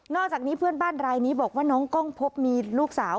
อกจากนี้เพื่อนบ้านรายนี้บอกว่าน้องกล้องพบมีลูกสาว